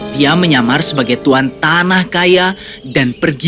dia menyamar sebagai tuan tanah kaya dan pergi